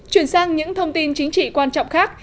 chuyển sang những thông tin chính trị quan trọng khác